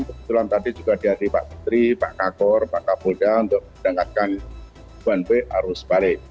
keputulan tadi juga dari pak setri pak kakur pak kapolda untuk mendengarkan one way arus balik